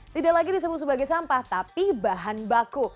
tidak lagi disebut sebagai sampah tapi bahan baku